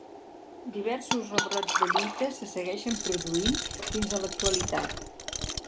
Diversos rebrots de lluita se segueixen produint fins a l'actualitat.